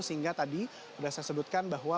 sehingga tadi sudah saya sebutkan bahwa